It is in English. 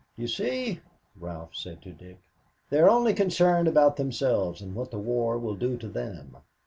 "You see," Ralph said to Dick, "they're only concerned about themselves and what the war will do to them."